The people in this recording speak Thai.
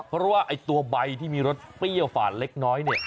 เพราะว่าไอ้ตัวใบที่มีรสเปรี้ยวฝาดเล็กน้อยเนี่ย